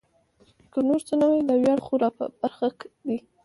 که نور څه نه وي دا ویاړ خو را په برخه دی.